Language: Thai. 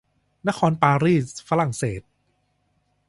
นครปารีสฝรั่งเศส